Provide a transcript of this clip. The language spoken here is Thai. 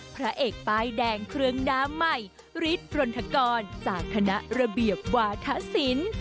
พระเอกป้ายแดงเครื่องดาใหม่ฤทธกรจากคณะระเบียบวาทสิน